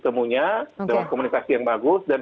temunya lewat komunikasi yang bagus dan